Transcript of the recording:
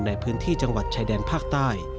ในพื้นที่จังหวัดชายแดนภาคใต้